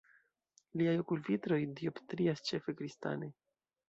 Liaj okulvitroj dioptrias ĉefe kristane.